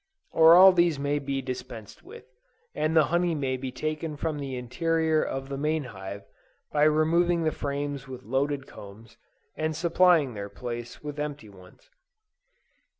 Or all these may be dispensed with, and the honey may be taken from the interior of the main hive, by removing the frames with loaded combs, and supplying their place with empty ones.